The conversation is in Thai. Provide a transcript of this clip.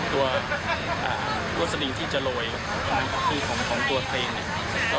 ตะวังที่จะโรยสลิงออกนะครับ